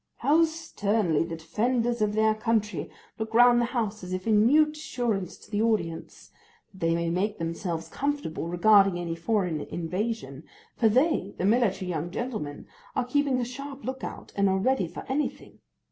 How sternly the defenders of their country look round the house as if in mute assurance to the audience, that they may make themselves comfortable regarding any foreign invasion, for they (the military young gentlemen) are keeping a sharp look out, and are ready for anything.